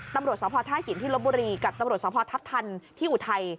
ตำรวจสภท่าหินที่ลบบุรีกับตำรวจสภทัพทันที่อุทัย